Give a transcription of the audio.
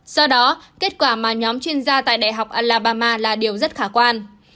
do đó kết quả mà nhóm chuyên gia tại đại học alabama là điều rất khả quan